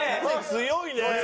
強いね！